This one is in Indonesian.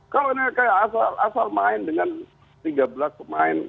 kalau mereka asal main dengan tiga belas pemain